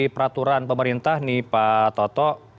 peraturan pemerintah nih pak toto